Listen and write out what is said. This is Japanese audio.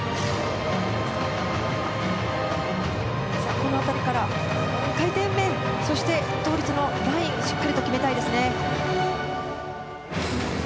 この辺りから、回転面そして倒立のラインしっかりと決めたいです。